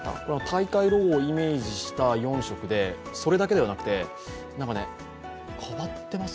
大会ロゴをイメージした４色でそれだけではなくて変わってます？